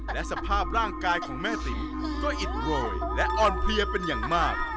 และสภาพร่างกายของแม่ติ๋มก็อิดโรยและอ่อนเพลียเป็นอย่างมาก